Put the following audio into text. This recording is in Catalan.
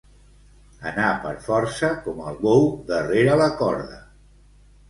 Anar per força, com el bou darrere la corda.